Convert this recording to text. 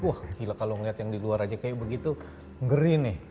wah gila kalau ngeliat yang di luar aja kayak begitu ngeri nih